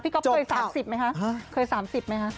พี่ก๊อปเคย๓๐ไม่คะ